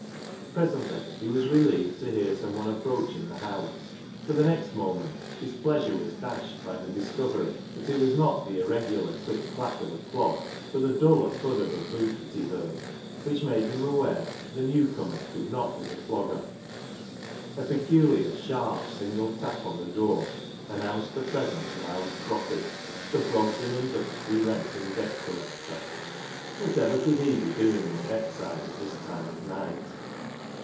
Presently he was relieved to hear someone approaching the house, but the next moment his pleasure was dashed by the discovery that it was not the irregular click clack of a clog, but the duller thud of a boot that he heard, which made him aware that the new comer could not be the Clogger. A peculiar, sharp, single tap on the door announced the presence of " Owd Croppy," the Brogden and Duxbury rent and debt collector. Whatever could he be doing in Beckside at this time of night